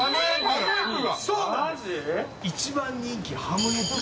一番人気ハムエッグ。